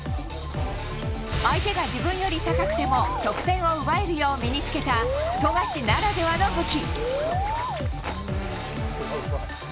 相手が自分より高くても得点を奪えるよう身に着けた富樫ならではの武器。